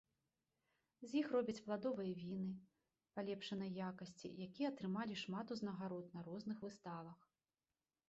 З іх робяць пладовыя віны палепшанай якасці, якія атрымалі шмат узнагарод на розных выставах.